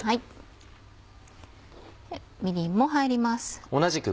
みりんも入ります。